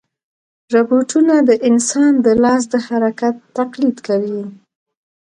روبوټونه د انسان د لاس د حرکت تقلید کوي.